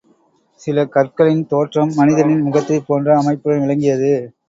சில கற்களின் தோற்றம் மனிதனின் முகத்தைப்போன்ற அமைப்புடன் விளங்கியது.